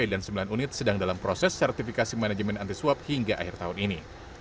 dan sembilan unit sedang dalam proses sertifikasi manajemen antiswap hingga akhir tahun ini